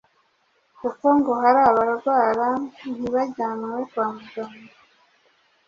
kuko ngo hari abarwara ntibajyanwe kwa muganga